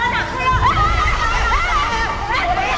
dasar penjahat kita